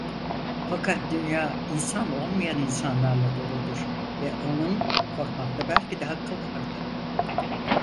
Fakat dünya insan olmayan insanlarla doludur ve onun korkmakta belki de hakkı vardı.